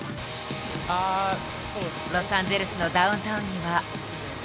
ロサンゼルスのダウンタウンには。